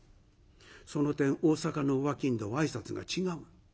その点大阪のお商人は挨拶が違う。